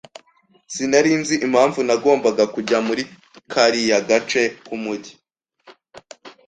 Sinari nzi impamvu ntagomba kujya muri kariya gace k'umujyi.